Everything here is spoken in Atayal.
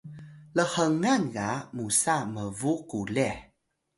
lhngan ga musa mbu qulih